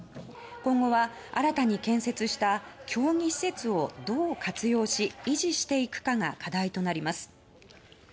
今後は新たに建設した競技施設をどう活用し、維持していくかが課題となります。